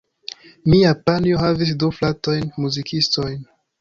Mia panjo havis du fratojn muzikistojn.